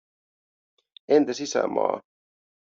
Entä sisämaa?